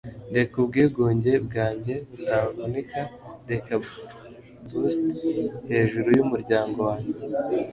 reka ubwigunge bwanjye butavunika! reka bust hejuru yumuryango wanjye